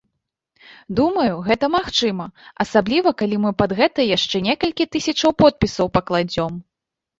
Думаю, гэта магчыма, асабліва калі мы пад гэта яшчэ некалькі тысячаў подпісаў пакладзём.